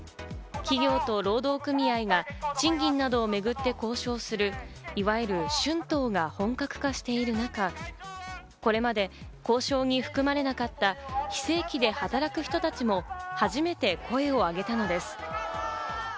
企業と労働組合が賃金などをめぐって交渉する、いわゆる春闘が本格化している中、これまで交渉に含まれなかった非正規で働く人たちも初めて声をあげたのです。